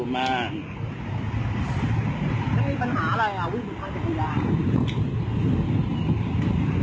ไม่มีปัญหาอะไรล่ะวิ่งสุดทางจากกระยาน